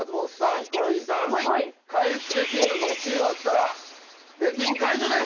ヒコロヒーさんはい買付金額１位を当てたら出禁解除です